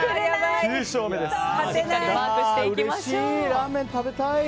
ラーメン食べたい。